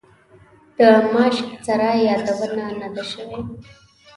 د ماشک سرای یادونه نه ده شوې.